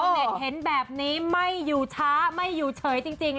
เน็ตเห็นแบบนี้ไม่อยู่ช้าไม่อยู่เฉยจริง